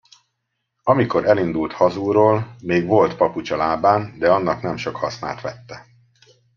Amikor elindult hazulról, még volt papucs a lábán, de annak nem sok hasznát vette.